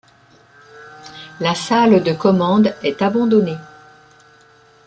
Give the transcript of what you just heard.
La salle de commande est abandonnée.